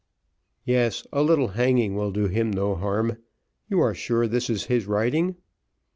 "Yes, a little hanging will do him no harm you are sure this is his writing?"